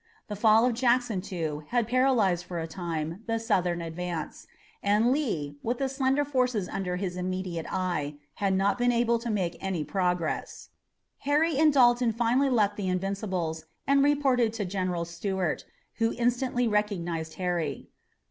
The fall of Jackson, too, had paralyzed for a time the Southern advance, and Lee, with the slender forces under his immediate eye, had not been able to make any progress. Harry and Dalton finally left the Invincibles and reported to General Stuart, who instantly recognized Harry.